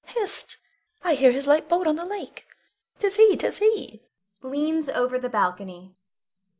Hist! I hear his light boat on the lake. 'Tis he! 'tis he! [_Leans over the balcony.